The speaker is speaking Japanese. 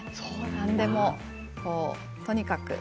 何でも、とにかく。